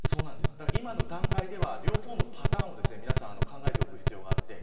今の段階では、両方のパターンを皆さん考えておく必要があります。